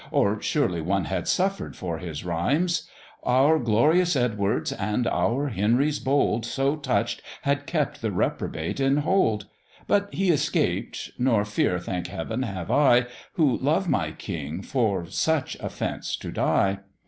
Or surely One had suffered for his rhymes; Our glorious Edwards and our Henrys bold, So touch'd, had kept the reprobate in hold; But he escap'd, nor fear, thank Heav'n, have I, Who love my king, for such offence to die.